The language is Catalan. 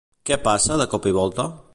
Què passa de cop i volta?